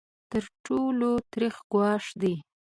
تر ټولو تریخ ګواښ دی.